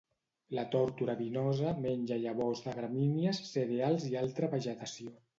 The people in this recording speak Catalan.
La tórtora vinosa menja llavors de gramínies, cereals i altra vegetació.